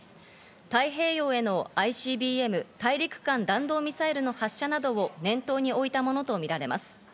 太平洋へのＩＣＢＭ＝大陸間弾道ミサイルの発射などを念頭に置いたものとみられます。